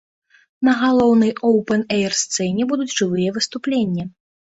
На галоўнай оўпэн-эйр-сцэне будуць жывыя выступленні.